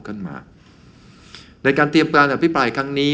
ขึ้นมาในการเตรียมการอภิปรายครั้งนี้